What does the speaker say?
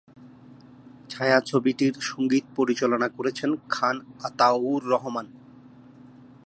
ছায়াছবিটির সঙ্গীত পরিচালনা করেছেন খান আতাউর রহমান।